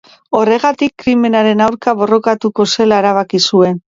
Horregatik, krimenaren aurka borrokatuko zela erabaki zuen.